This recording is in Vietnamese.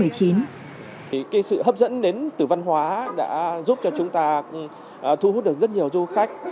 thì sự hấp dẫn đến từ văn hóa đã giúp cho chúng ta thu hút được rất nhiều du khách